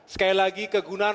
sekali lagi kegunaan